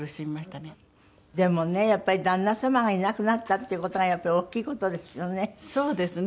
でもね旦那様がいなくなったっていう事がやっぱり大きい事ですよね。